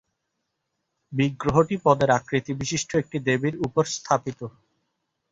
বিগ্রহটি পদ্মের আকৃতিবিশিষ্ট একটি বেদীর উপর স্থাপিত।